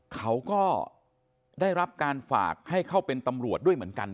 เขาก็ได้รับการฝากให้เข้าเป็นตำรวจด้วยเหมือนกัน